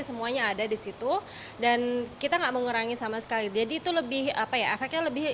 semuanya ada di situ dan kita enggak mengurangi sama sekali jadi itu lebih apa ya efeknya lebih